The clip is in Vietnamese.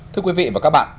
thưa quý vị và các bạn